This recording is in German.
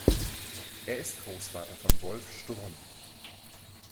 Er ist Großvater von Wolf Sturm.